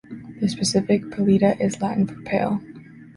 The specific "pallida" is Latin for "pale".